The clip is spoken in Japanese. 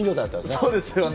そうですよね。